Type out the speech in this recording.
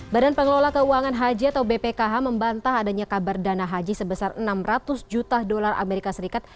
badan pengelola keuangan haji atau bpkh membantah adanya kabar dana haji sebesar enam ratus juta dolar amerika serikat